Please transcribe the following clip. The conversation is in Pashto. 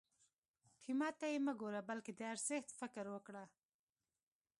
قیمت ته یې مه ګوره بلکې د ارزښت فکر وکړه.